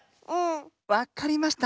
わかりました。